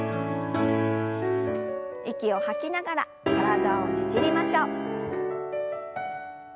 息を吐きながら体をねじりましょう。